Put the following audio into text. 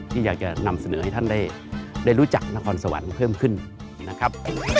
ที่อยากจะนำเสนอให้ท่านได้รู้จักนครสวรรค์เพิ่มขึ้นนะครับ